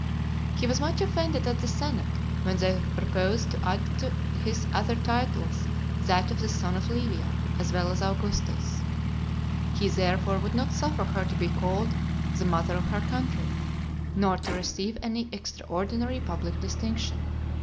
He was much offended at the senate, when they proposed to add to his other titles that of the Son of Livia, as well as Augustus. He, therefore, would not suffer her to be called "the Mother of her Country," nor to receive any extraordinary public distinction.